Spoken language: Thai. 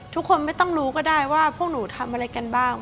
ทุกคนไม่ต้องรู้ก็ได้ว่าพวกหนูทำอะไรกันบ้าง